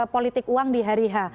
politik uang di hari h